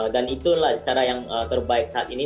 dan itulah cara yang terbaik saat ini